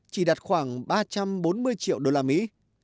chỉ đạt khoảng ba trăm bốn mươi triệu đô la mỹ